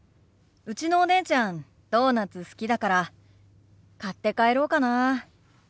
うちのお姉ちゃんドーナツ好きだから買って帰ろうかな。